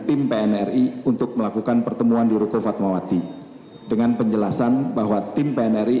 tim pnri untuk melakukan pertemuan di ruko fatmawati dengan penjelasan bahwa tim pnri